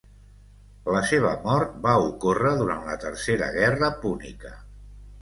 La seva mort va ocórrer durant la tercera guerra púnica.